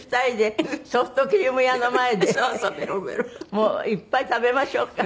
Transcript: もういっぱい食べましょうか。